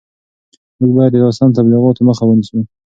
موږ باید د ناسم تبلیغاتو مخه ونیسو.